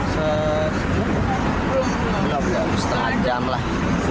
setengah jam lah